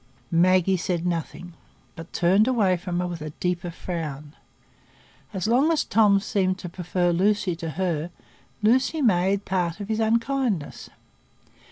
Maggie said nothing, but turned away from her with a deeper frown. As long as Tom seemed to prefer Lucy to her, Lucy made part of his unkindness.